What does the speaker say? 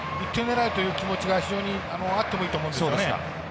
１点狙いという気持ちが非常にあってもいいと思うんですよね。